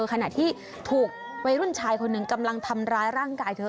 ขณะที่ถูกวัยรุ่นชายคนหนึ่งกำลังทำร้ายร่างกายเธอ